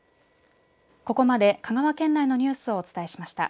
ここまで香川県内のニュースをお伝えしました。